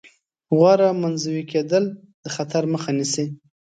غوره منزوي کېدل د خطر مخه نیسي.